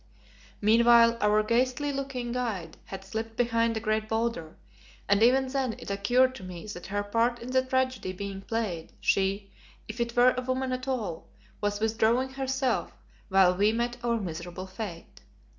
Meanwhile our ghastly looking guide had slipped behind a great boulder, and even then it occurred to me that her part in the tragedy being played, she, if it were a woman at all, was withdrawing herself while we met our miserable fate.